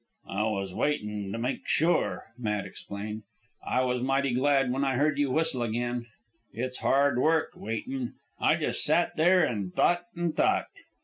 "I was waitin' to make sure," Matt explained. "I was mighty glad when I heard you whistle again. It's hard work waitin'. I just sat there an' thought an' thought...